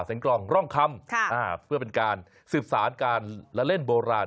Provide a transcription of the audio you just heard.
กล่องร่องคำเพื่อเป็นการสืบสารการละเล่นโบราณ